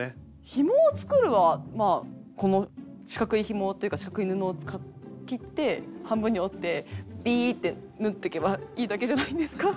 ひもを作るは四角いひもっていうか四角い布を切って半分に折ってビーって縫っていけばいいだけじゃないんですかっていう。